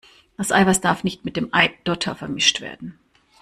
Das Eiweiß darf nicht mit dem Eidotter vermischt werden!